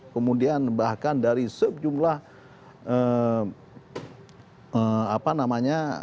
kemudian bahkan dari sejumlah apa namanya